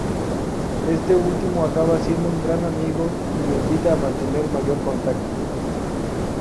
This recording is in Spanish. Este último acaba siendo un gran amigo y lo invita a mantener mayor contacto.